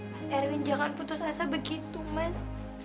mas erwin jangan putus asa begitu mas